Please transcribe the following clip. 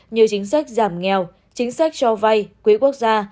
như chính sách giảm nghèo chính sách cho vay quỹ quốc gia